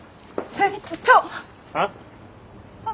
えっ！